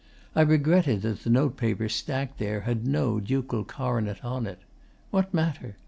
I regretted that the notepaper stacked there had no ducal coronet on it. What matter?